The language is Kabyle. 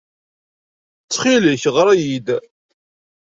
Ttxil-k, ɣer-iyi-d.